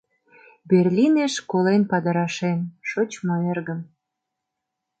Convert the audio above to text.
«Берлинеш колен падырашем, шочмо эргым.